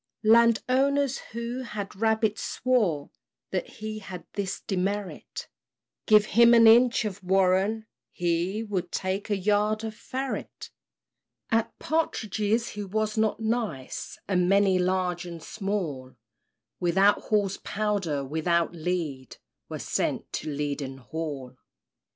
Land owners, who had rabbits, swore That he had this demerit Give him an inch of warren, he Would take a yard of ferret. At partridges he was not nice; And many, large and small, Without Hall's powder, without lead, Were sent to Leaden Hall.